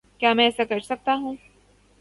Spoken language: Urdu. کیا میں ایسا کر سکتا ہوں؟